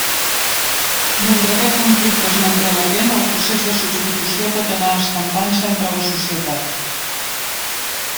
Mentre aquest conflicte es manté latent, el procés de substitució pot anar escampant-se entre la societat.